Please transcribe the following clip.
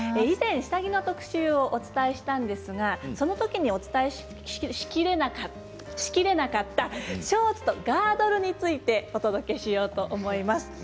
以前、下着の特集をお伝えしたんですがそのときにお伝えしきれなかったショーツとガードルについてお届けしようと思います。